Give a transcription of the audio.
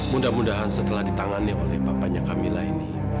mudah mudahan setelah ditangani oleh papanya camilla ini